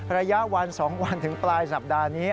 ระยะวัน๒วันถึงปลายสัปดาห์นี้